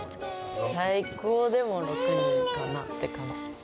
最高でも６人かなって感じ。